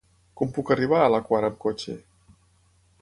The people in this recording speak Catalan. Com puc arribar a la Quar amb cotxe?